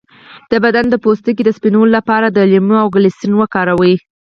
د بدن د پوستکي د سپینولو لپاره د لیمو او ګلسرین وکاروئ